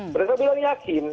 berarti belum yakin